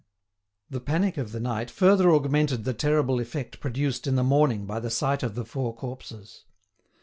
The panic of the night further augmented the terrible effect produced in the morning by the sight of the four corpses.